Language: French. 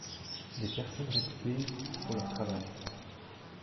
Des personnes réputées pour leur travail.